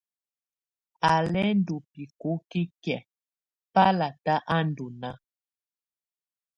Á lɛ́ ndɔ́ bicoci kɛ̀á, balatá á ndɔ́ naá.